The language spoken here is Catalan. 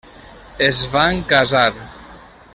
Es van casar.